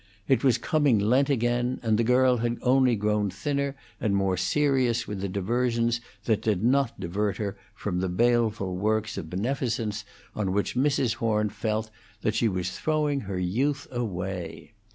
It was coming Lent again, and the girl had only grown thinner and more serious with the diversions that did not divert her from the baleful works of beneficence on which Mrs. Horn felt that she was throwing her youth away.